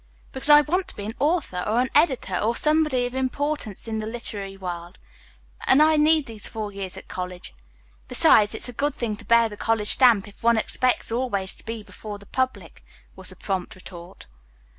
"Because I want to be an author, or an editor, or somebody of importance in the literary world, and I need these four years at college. Besides, it's a good thing to bear the college stamp if one expects always to be before the public," was the prompt retort.